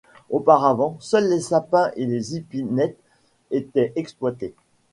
Auparavant, seuls les sapins et les épinettes étaient exploités.